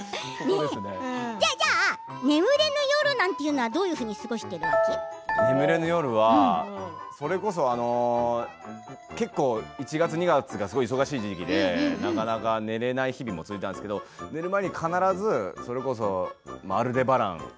じゃあ眠れぬ夜なんていうのは眠れぬ夜はそれこそ結構１月２月がすごい忙しい時期でなかなか寝れない日々も続いたんですけど寝る前に必ずそれこそ「アルデバラン」